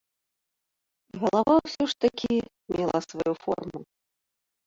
Галава ўсё ж такі мела сваю форму.